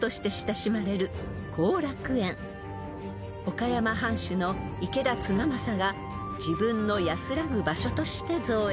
［岡山藩主の池田綱政が自分の安らぐ場所として造園しました］